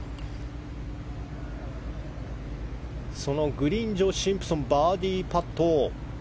グリーン上、シンプソンバーディーパット。